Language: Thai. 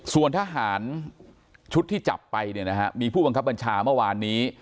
ส่วนทหารชุดที่จับไปเนี่ยนะฮะมีผู้บังคับบัญชาเมื่อวานนี้